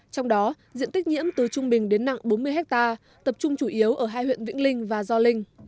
trong đó diện tích nhiễm từ trung bình đến nặng bốn mươi hectare tập trung chủ yếu ở hai huyện vĩnh linh và gio linh